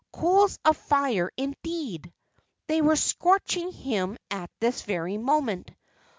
Coals of fire, indeed! They were scorching him at this very moment.